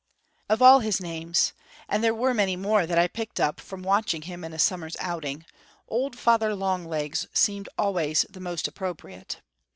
Of all his names and there were many more that I picked up from watching him in a summer's outing "Old Father Longlegs" seemed always the most appropriate.